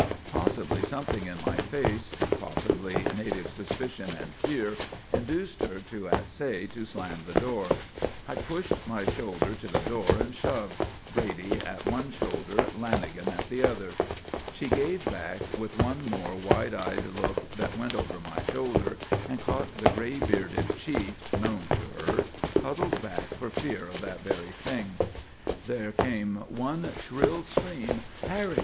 Possibly something in my face, possibly native suspicion and fear, induced her to essay to slam the door. I pushed my shoulder to the door and shoved, Brady at one shoulder, Lanagan at the other. She gave back with one more wide eyed look that went over my shoulder and caught the grey bearded chief, known to her, huddled back for fear of that very thing. There came one shrill scream: "Harry!